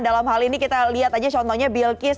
dalam hal ini kita lihat aja contohnya bill kiss